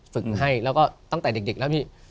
ฝึกให้แล้วก็ตั้งแต่เด็กแล้วพี่